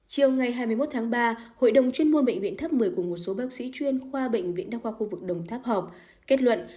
chiều ngày hai mươi một tháng ba hội đồng chuyên môn bệnh viện tháp một mươi cùng một số bác sĩ chuyên khoa bệnh viện đa khoa khu vực đồng tháp họp kết luận